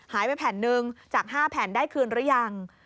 หายไปแผ่นหนึ่งจาก๕แผ่นได้คืนหรือยัง